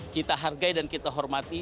kita hargai dan kita hormati